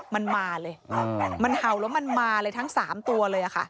มันมาเลยมันเห่างานทั้ง๓ตัวเลย